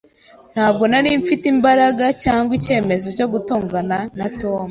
Ntabwo nari mfite imbaraga cyangwa icyemezo cyo gutongana na Tom.